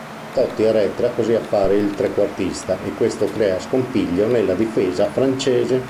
Totti arretra così a fare il trequartista e questo crea scompiglio nella difesa francese.